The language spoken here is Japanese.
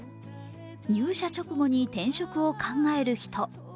入社直後に転職を考える人。